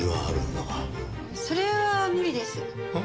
それは無理です。